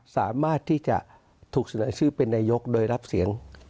สามารถที่จะถูกเสนอชื่อเป็นนายกโดยรับเสียง